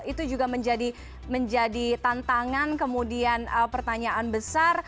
itu juga menjadi tantangan kemudian pertanyaan besar